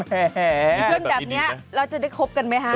เพื่อนแบบนี้เราจะได้คบกันไหมคะ